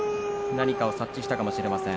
何かを察知したかもしれません。